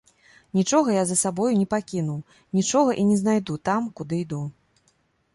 Нічога я за сабою не пакінуў, нічога і не знайду там, куды іду.